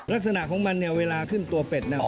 ลักษณะของมันเนี่ยเวลาขึ้นตัวเป็ดเนี่ย